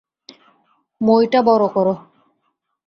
মইটা বড় কর।